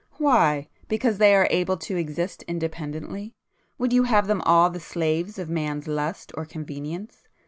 "Why? Because they are able to exist independently? Would you have them all the slaves of man's lust or convenience?